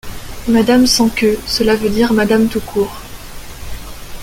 Madame sans queue, cela veut dire Madame tout court.